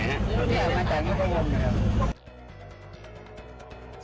นี่มาจากนี่ประวัติมันครับ